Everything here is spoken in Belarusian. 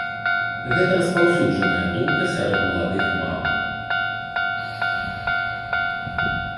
Гэта распаўсюджаная думка сярод маладых мам.